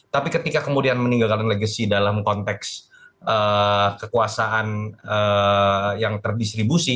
tapi ketika kemudian meninggalkan legacy dalam konteks kekuasaan yang terdistribusi